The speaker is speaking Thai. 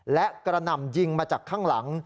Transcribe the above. และกระหน่ำยิงมาจากข้างหลัง